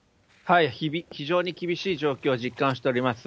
非常に厳しい状況を実感しております。